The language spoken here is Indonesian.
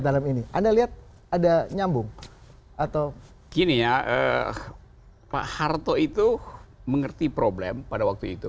dalam ini anda lihat ada nyambung atau gini ya pak harto itu mengerti problem pada waktu itu